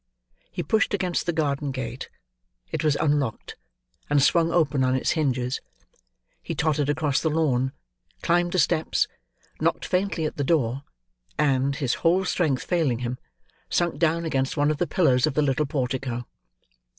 He pushed against the garden gate; it was unlocked, and swung open on its hinges. He tottered across the lawn; climbed the steps; knocked faintly at the door; and, his whole strength failing him, sunk down against one of the pillars of the little portico.